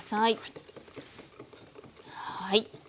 はい。